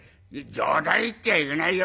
冗談言っちゃいけないよ。